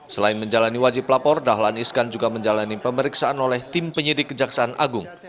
selain menjalani wajib lapor dahlan iskan juga menjalani pemeriksaan oleh tim penyidik kejaksaan agung